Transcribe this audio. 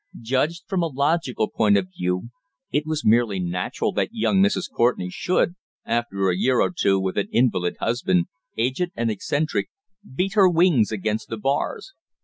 Judged from a logical point of view it was merely natural that young Mrs. Courtenay should, after a year or two with an invalid husband, aged and eccentric, beat her wings against the bars.